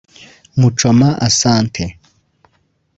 Muchoma Asante